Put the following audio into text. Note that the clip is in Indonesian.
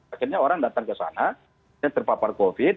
akhirnya orang datang ke sana terpapar covid sembilan belas